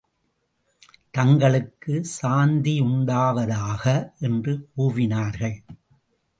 தங்களுக்கு சாந்தியுண்டாவதாக! என்று கூவினார்கள்.